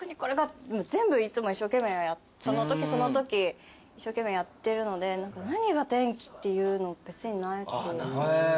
全部いつも一生懸命そのときそのとき一生懸命やってるので何が転機っていうの別になく。